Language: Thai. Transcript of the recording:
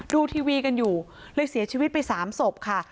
ดูทีวีกันอยู่เลยเสียชีวิตไป๓ศพค่ะ